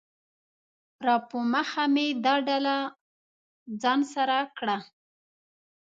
راپه مخه مې دا ډله ځان سره کړه